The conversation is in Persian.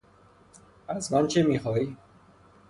از من چه میخواهی؟